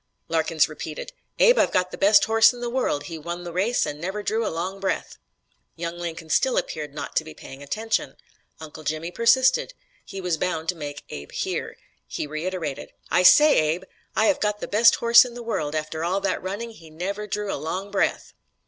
Larkins repeated: "Abe, I've got the best horse in the world; he won the race and never drew a long breath." Young Lincoln still appeared not to be paying attention. "Uncle Jimmy" persisted. He was bound to make Abe hear. He reiterated: "I say, Abe, I have got the best horse in the world; after all that running he never drew a long breath."